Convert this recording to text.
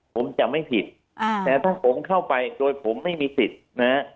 ผมจะไม่ผิดอ่าแต่ถ้าผมเข้าไปโดยผมไม่มีสิทธิ์นะฮะ